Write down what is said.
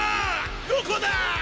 どこだ！」